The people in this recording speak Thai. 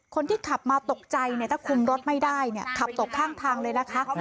คนที่ขับมาตกใจถ้าคุมรถไม่ได้ขับตกข้างทางเลยนะคะ